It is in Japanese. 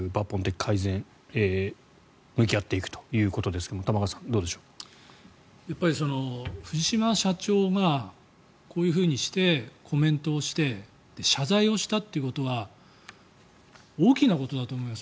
やはり改革、抜本的改善向き合っていくということですけれども藤島社長がこういうふうにしてコメントをして謝罪をしたってことは大きなことだと思います。